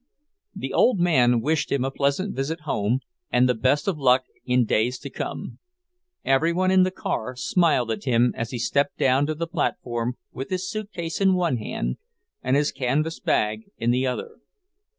The old man wished him a pleasant visit home, and the best of luck in days to come. Every one in the car smiled at him as he stepped down to the platform with his suitcase in one hand and his canvas bag in the other.